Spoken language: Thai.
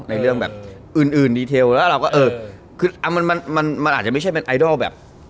ในเรื่องแบบอื่นดีเทลแล้วเราก็เออคือมันมันอาจจะไม่ใช่เป็นไอดอลแบบ